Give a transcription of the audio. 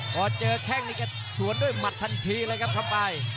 พอเจอแข้งนี้ก็สวนด้วยมัดทันทีเลยครับคำปลาย